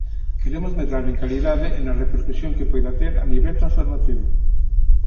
Queremos medrar en calidade e na repercusión que poida ter a nivel transformativo.